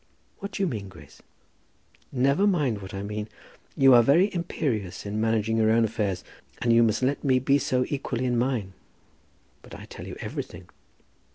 "What do you mean, Grace?" "Never mind what I mean. You are very imperious in managing your own affairs, and you must let me be so equally in mine." "But I tell you everything."